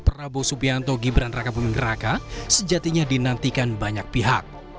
prabowo subianto gibran raka buming raka sejatinya dinantikan banyak pihak